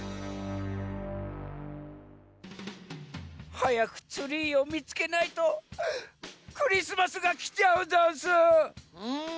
はやくツリーをみつけないとクリスマスがきちゃうざんす！